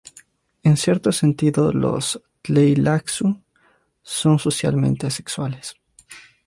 En cierto sentido, los tleilaxu son socialmente asexuales.